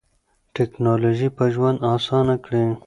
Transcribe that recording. ټیکنالوژي به ژوند اسانه کړي.